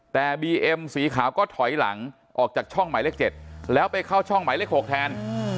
แต่บีเอ็มสีขาวก็ถอยหลังออกจากช่องหมายเลข๗แล้วไปเข้าช่องหมายเลข๖แทน